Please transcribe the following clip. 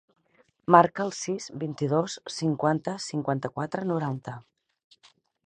Marca el sis, vint-i-dos, cinquanta, cinquanta-quatre, noranta.